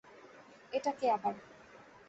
এটা কে আবার?